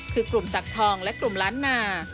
คือกลุ่มศักดิ์ทองและกลุ่มล้านนา